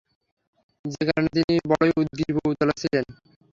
যে কারণে তিনি বড়ই উদগ্রীব ও উতলা ছিলেন।